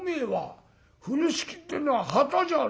風呂敷ってえのは旗じゃねえんだよ。